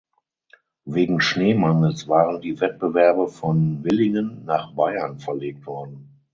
Wegen Schneemangels waren die Wettbewerbe von Willingen nach Bayern verlegt worden.